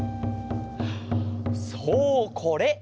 そうこれ！